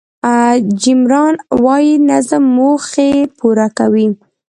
جیم ران وایي نظم موخې پوره کوي.